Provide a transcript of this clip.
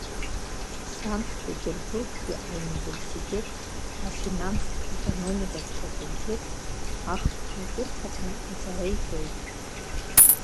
Санкт-Петербургтәи Ауниверситет афинанстә-економикатә факультет ахԥатәи акурс аҟны аҵара иҵоит.